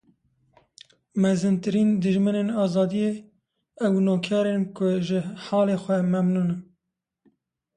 Mezintirîn dijminên azadiyê ew noker in ku ji halê xwe memnûn in.